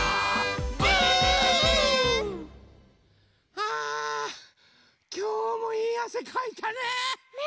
あきょうもいいあせかいたね。